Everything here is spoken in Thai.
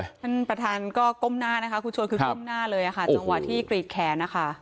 ท่านประธานก็ก้มหน้านะคะคุณชวนคือก้มหน้าเลยค่ะจังหวะที่กรีดแขนนะคะ